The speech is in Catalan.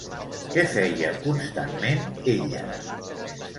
Què feia constantment ella?